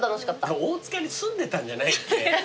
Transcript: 大塚に住んでたんじゃないっけ？